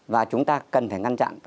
và chúng ta cần phải ngăn chặn